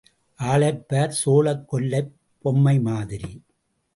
ஆளைப் பார், சோளக் கொல்லைப் பொம்மை மாதிரி.